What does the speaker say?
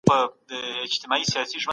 علمي تګلارې يوې رشتې ته اعتبار بخښي.